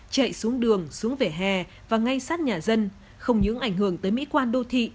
chạy xuống đường xuống vỉa hè và ngay sát nhà dân không những ảnh hưởng tới mỹ quan đô thị